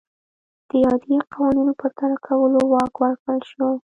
د عادي قوانینو پرتله کولو واک ورکړل شو.